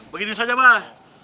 begini saja mah